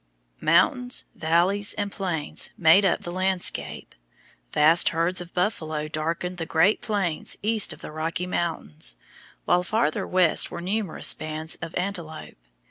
Mountains, valleys and plains made up the landscape. Vast herds of buffalo darkened the Great Plains east of the Rocky Mountains, while farther west were numerous bands of antelope.